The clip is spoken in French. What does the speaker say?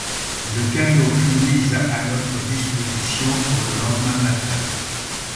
Le canot fut mis à notre disposition pour le lendemain matin.